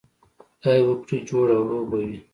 خدای وکړي جوړ او روغ به وئ.